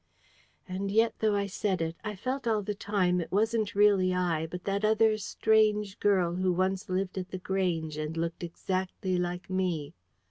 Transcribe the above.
And yet, though I said it, I felt all the time it wasn't really I, but that other strange girl who once lived at The Grange and looked exactly like me.